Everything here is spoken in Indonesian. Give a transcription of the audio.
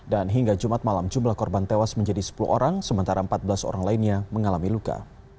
dan hingga jumat malam jumlah korban tewas menjadi sepuluh orang sementara empat belas orang lainnya mengalami luka